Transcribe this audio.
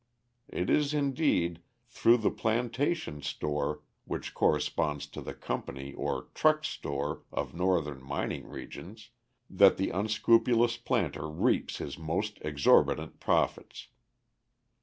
It is, indeed, through the plantation store (which corresponds to the company or "truck" store of Northern mining regions) that the unscrupulous planter reaps his most exorbitant profits.